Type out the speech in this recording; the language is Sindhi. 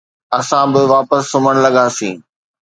اسان به واپس سمهڻ لڳاسين